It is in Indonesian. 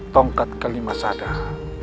tongkat kelima sadar